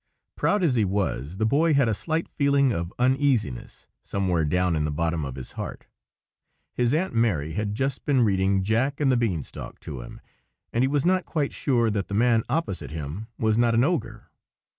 Proud as he was, the Boy had a slight feeling of uneasiness somewhere down in the bottom of his heart. His Aunt Mary had just been reading "Jack and the Bean stalk" to him, and he was not quite sure that the man opposite him was not an ogre.